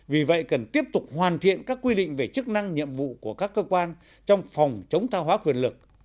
vì vậy cần tiếp tục hoàn thiện các quy định về chức năng nhiệm vụ của các cơ quan trong phòng chống tha hóa quyền lực